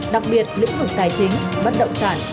đặc biệt lĩnh vực tài chính bất động sản